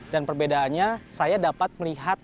dan perbedaannya saya dapat melihat